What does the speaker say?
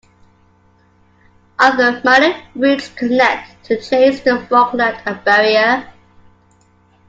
Other, minor routes connect Chase to Falkland and Barriere.